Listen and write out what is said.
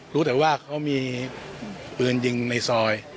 รู้แต่ว่าเขามีปืนยิงในซอย